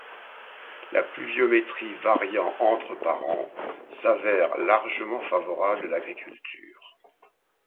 La pluviométrie variant entre par an s'avère largement favorable à l’agriculture.